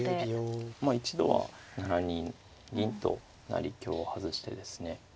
まあ一度は７二銀と成香を外してですね。